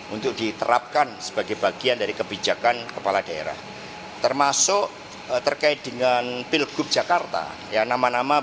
untuk diterapkan sebagai bagian dari kebijaksanaan